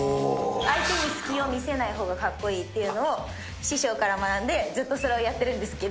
相手に隙を見せないほうがかっこいいっていうのを、師匠から学んで、ずっとそれをやってるんですけど。